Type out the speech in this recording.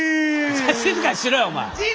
じゃあ静かにしろよお前。